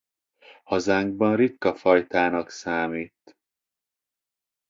Hazánkban ritka fajtának számít.